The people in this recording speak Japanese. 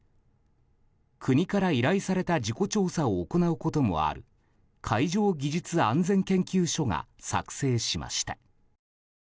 国から依頼された事故調査を行うこともある海上技術安全研究所が作成しました。